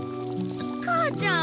母ちゃん